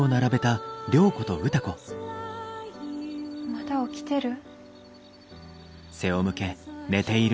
まだ起きてる？